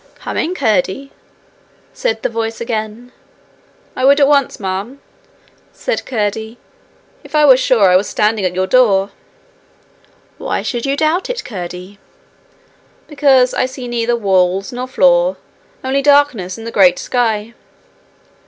'Come in, Curdie,' said the voice again. 'I would at once, ma'am,' said Curdie, 'if I were sure I was standing at your door.' 'Why should you doubt it, Curdie?' 'Because I see neither walls nor floor, only darkness and the great sky.'